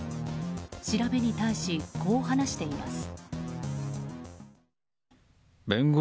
調べに対し、こう話しています。